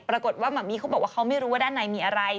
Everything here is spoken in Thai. ปรากฏว่าหมมี่เขาบอกว่าเขาไม่รู้ว่าด้านในมีอะไร